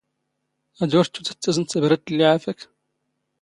ⴰⴷ ⵓⵔ ⵜⴻⵜⵜⵓⴷ ⴰⴷ ⵜⴰⵣⵏⴷ ⵜⴰⴱⵔⴰⵜ ⵍⵍⵉ ⵄⴰⴼⴰⴽ.